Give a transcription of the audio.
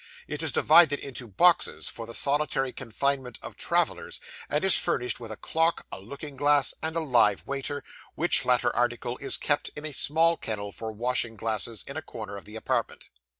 It is divided into boxes, for the solitary confinement of travellers, and is furnished with a clock, a looking glass, and a live waiter, which latter article is kept in a small kennel for washing glasses, in a corner of the apartment.